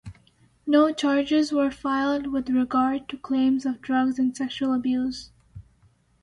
No charges were filed with regard to claims of drugs and sexual abuse.